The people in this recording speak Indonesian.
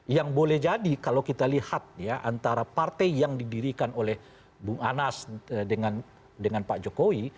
yang boleh jadi kalau kita lihat ya antara partai yang didirikan oleh bung anas dengan pak jokowi